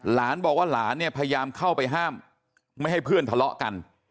หลานบอกว่าหลานเนี่ยพยายามเข้าไปห้ามไม่ให้เพื่อนทะเลาะกัน